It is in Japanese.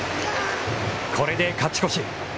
これで勝ち越し。